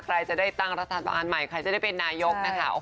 ใครจะได้ตั้งรัฐบาลใหม่ใครจะได้เป็นนายกนะคะ